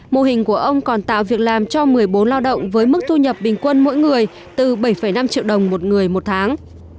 mô hình của ông còn tạo việc làm cho một mươi bốn lao động với mức thu nhập bình quân mỗi người từ bảy năm triệu đồng một người một tháng